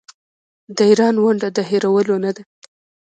د ایران ونډه د هیرولو نه ده.